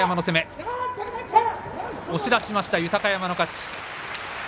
押し出しました豊山の勝ち。